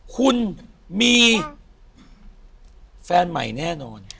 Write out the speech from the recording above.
คุณมีแฟนใหม่แน่นอน